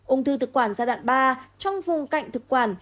ung thư thực quản giai đoạn ba trong vùng cạnh thực quản